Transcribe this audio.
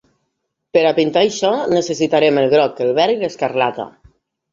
Per a pintar això necessitarem el groc, el verd i l'escarlata.